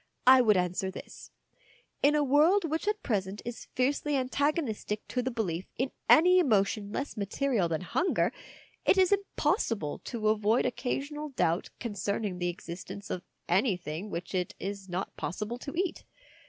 " I would answer this : In a world which at present is fiercely antagonistic to the belief in any emotion less material than hunger, it is impossible to avoid occasional doubt con cerning the existence of anything which it is not possible to eat.